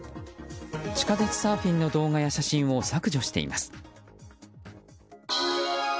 地下鉄サーフィンの動画や写真を削除しています。